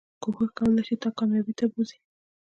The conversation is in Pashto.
کوښښ کولی شي تا کاميابی ته بوځي